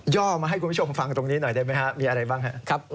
่อมาให้คุณผู้ชมฟังตรงนี้หน่อยได้ไหมครับมีอะไรบ้างครับ